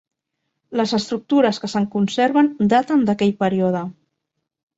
Les estructures que se'n conserven daten d'aquell període.